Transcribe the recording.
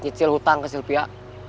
nyicil hutang ke sylvia